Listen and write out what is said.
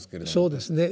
そうですね。